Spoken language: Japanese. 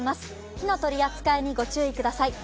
火の取り扱いにご注意ください。